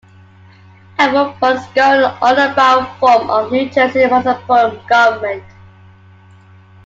Elmwood Park is governed under the Borough form of New Jersey municipal government.